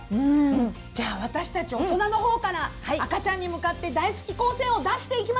じゃあ私たち大人の方から赤ちゃんに向かって大好き光線を出していきましょう！